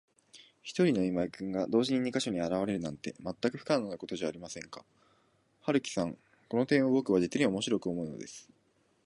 ひとりの今井君が、同時に二ヵ所にあらわれるなんて、まったく不可能なことじゃありませんか。春木さん、この点をぼくは、じつにおもしろく思うのです。